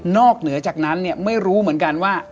เหนือจากนั้นไม่รู้เหมือนกันว่า